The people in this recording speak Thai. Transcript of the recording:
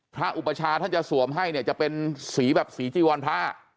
อุปชาท่านจะสวมให้เนี่ยจะเป็นสีแบบสีจีวรผ้า